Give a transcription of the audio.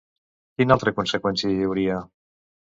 Quina altra conseqüència hi hauria?